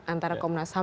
antara komnas ham